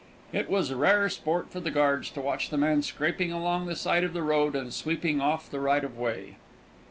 It was rare sport for the guards to watch the man scraping along the side of the road and sweeping off the right of way.